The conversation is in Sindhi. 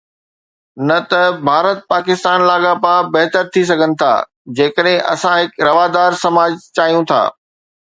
نه ته ڀارت پاڪستان لاڳاپا بهتر ٿي سگهن ٿا جيڪڏهن اسان هڪ روادار سماج چاهيون ٿا.